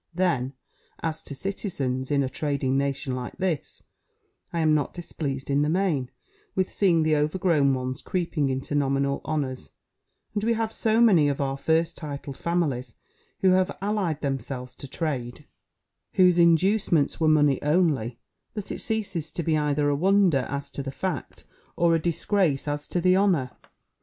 Then, as to citizens, in a trading nation like this, I am not displeased in the main, with seeing the overgrown ones creeping into nominal honours; and we have so many of our first titled families, who have allied themselves to trade, (whose inducements were money only) that it ceases to be either a wonder as to the fact, or a disgrace as to the honour."